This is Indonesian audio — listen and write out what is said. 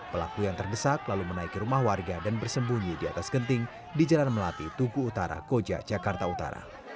pelaku yang terdesak lalu menaiki rumah warga dan bersembunyi di atas genting di jalan melati tugu utara koja jakarta utara